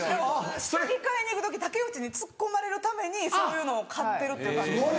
下着買いに行く時竹内にツッコまれるためにそういうのを買ってるっていう感じですね。